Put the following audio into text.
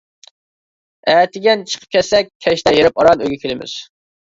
ئەتىگەن چىقىپ كەتسەك، كەچتە ھېرىپ ئاران ئۆيگە كېلىمىز.